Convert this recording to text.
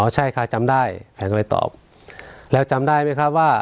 ใช่ค่ะจำได้แฟนก็เลยตอบแล้วจำได้ไหมครับว่า